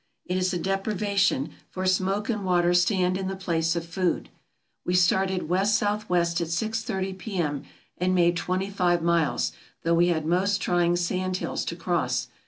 It is a deprivation, for smoke and water stand in the place of food. We started west south west at six thirty P.M., and made twenty five miles, though we had most trying sand hills to cross.